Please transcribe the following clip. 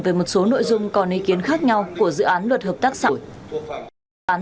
về một số nội dung còn ý kiến khác nhau của dự án luật hợp tác xã